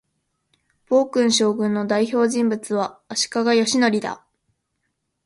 暴君将軍の代表人物は、足利義教だ